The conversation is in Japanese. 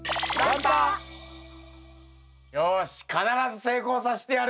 よし必ず成功させてやる！